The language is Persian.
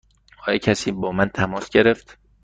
آیا کسی با من تماس گرفت؟